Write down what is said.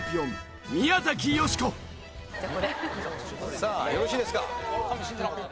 さあよろしいですか？